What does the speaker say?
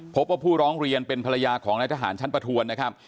พบว่าผู้ร้องเรียนเป็นภรรยาของนายทหารชั้นประทวนนะครับ